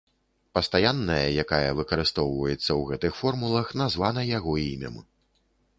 Пастаянная, якая выкарыстоўваецца ў гэтых формулах, названа яго імем.